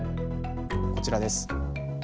こちらです。